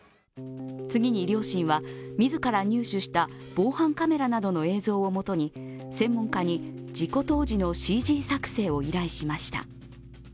次に、両親は自ら入手した防犯カメラなどの映像を基に専門家に事故当時のＣＧ作成を依頼しました。